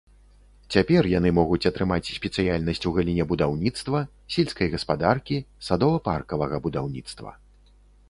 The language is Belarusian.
Цяпер яны могуць атрымаць спецыяльнасць ў галіне будаўніцтва, сельскай гаспадаркі, садова-паркавага будаўніцтва.